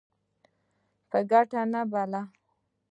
په ګټه نه بلل.